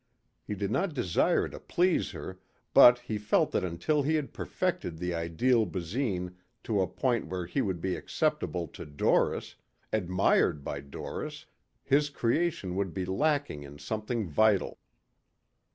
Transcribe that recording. He did not desire to please her but he felt that until he had perfected the ideal Basine to a point where he would be acceptable to Doris, admired by Doris, his creation would be lacking in something vital.